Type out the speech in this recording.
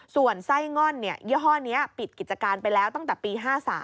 ส่วนไส้ง่อนยี่ห้อนี้ปิดกิจการไปแล้วตั้งแต่ปี๕๓